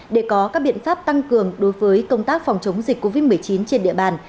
để có các biện pháp tăng cường đối với công tác phòng chống dịch covid một mươi chín trên địa bàn